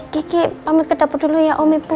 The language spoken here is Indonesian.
kiki pamit ke dapur dulu ya om ibu